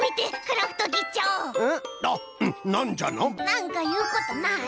なんかいうことない？